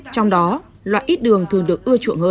trong đó loại ít đường thường được ưa chuộng hơn